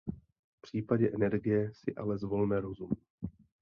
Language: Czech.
V případě energie si ale zvolme rozum.